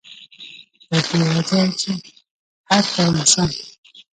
پۀ دې وجه چې هر کله انسان